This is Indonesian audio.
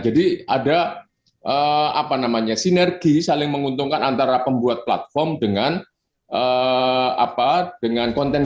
jadi ada apa namanya sinergi saling menguntungkan antara pembuat platform dengan apa dengan konten